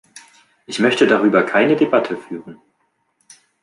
Ich möchte darüber keine Debatte führen.